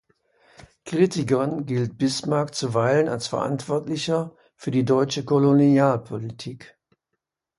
Kritikern gilt Bismarck zuweilen als Verantwortlicher für die deutsche Kolonialpolitik.